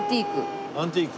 アンティーク。